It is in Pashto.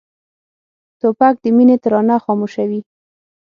توپک د مینې ترانه خاموشوي.